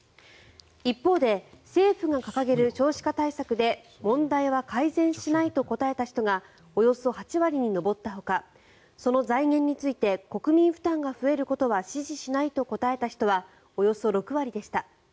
一方で政府が掲げる少子化対策で問題は改善しないと答えた人がおよそ８割に上ったほかその財源について国民負担が増えることは支持しないと答えた人はおよそ６割でした。